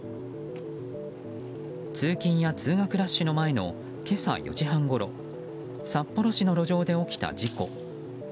通勤や通学ラッシュの前の今朝４時半ごろ札幌市の路上で起きた事故。